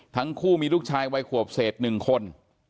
ทั้งคู่มีลูกชายวัยขวบเศษ๑คน